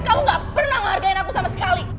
kamu gak pernah menghargai aku sama sekali